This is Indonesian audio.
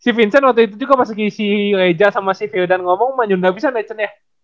si vincent waktu itu juga pas si reza sama si firdan ngomong nyunda pisang ya cen ya